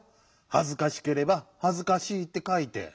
はずかしければはずかしいってかいて。